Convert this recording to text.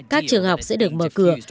các trường học sẽ được mở cửa